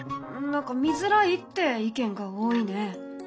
何か見づらいって意見が多いね。